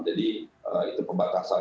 jadi itu pembatasan